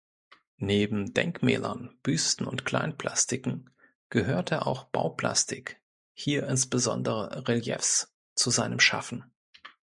Neben Denkmälern, Büsten und Kleinplastiken gehörte auch Bauplastik, hier insbesondere Reliefs, zu seinem Schaffen.